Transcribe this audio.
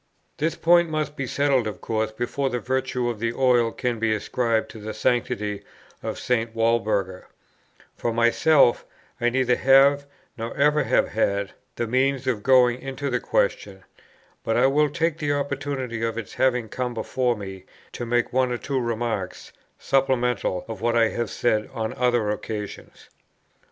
This point must be settled of course before the virtue of the oil can be ascribed to the sanctity of St. Walburga; for myself, I neither have, nor ever have had, the means of going into the question; but I will take the opportunity of its having come before me, to make one or two remarks, supplemental of what I have said on other occasions.